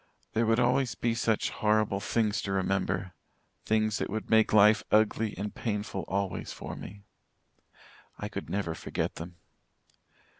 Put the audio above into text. There would always be such horrible things to remember things that would make life ugly and painful always for me. I could never forget them.